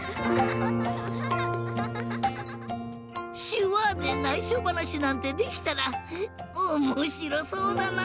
しゅわでないしょばなしなんてできたらおもしろそうだな！